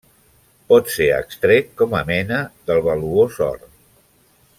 Pot ser extret com a mena del valuós or.